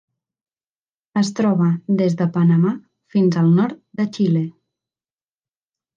Es troba des de Panamà fins al nord de Xile.